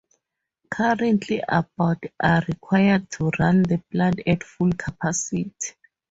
Currently about are required to run the plant at full capacity.